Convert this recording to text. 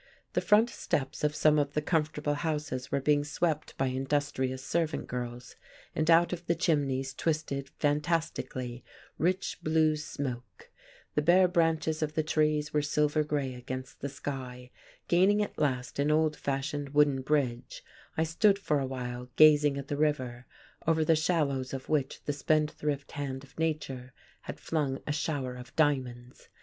The front steps of some of the comfortable houses were being swept by industrious servant girls, and out of the chimneys twisted, fantastically, rich blue smoke; the bare branches of the trees were silver grey against the sky; gaining at last an old fashioned, wooden bridge, I stood for awhile gazing at the river, over the shallows of which the spendthrift hand of nature had flung a shower of diamonds.